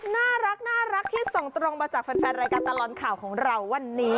น่ารักที่ส่งตรงมาจากแฟนรายการตลอดข่าวของเราวันนี้